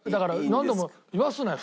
何度も言わせるなよ。